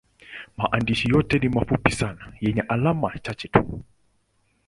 Maandishi yote ni mafupi sana yenye alama chache tu.